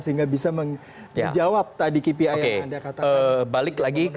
sehingga bisa menjawab tadi kpi yang anda katakan